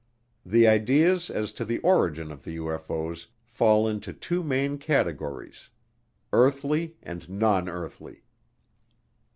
The ideas as to the origin of the UFO's fell into two main categories, earthly and non earthly.